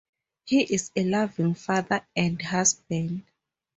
He is a loving father and husband.